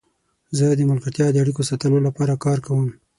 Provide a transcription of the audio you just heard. زه د ملګرتیا د اړیکو ساتلو لپاره کار کوم.